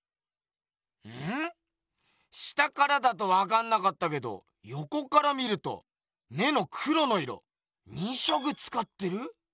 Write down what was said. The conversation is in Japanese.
下からだとわかんなかったけどよこから見ると目の黒の色２色つかってる？